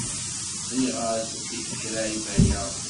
Sɣiɣ-as-d kra i Baya.